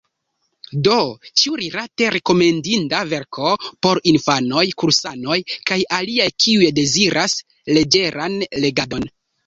Do ĉiurilate rekomendinda verko por infanoj, kursanoj, kaj aliaj, kiuj deziras leĝeran legadon.